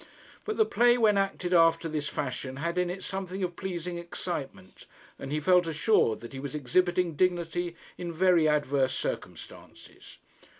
But the play when acted after this fashion had in it something of pleasing excitement, and he felt assured that he was exhibiting dignity in very adverse circumstances.